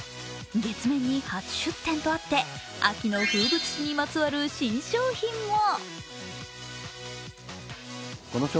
月面に初出店とあって秋の風物詩にまつわる新商品も。